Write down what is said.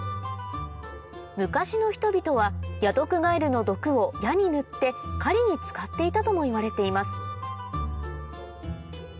昔の人々はヤドクガエルの毒を矢に塗って狩りに使っていたともいわれています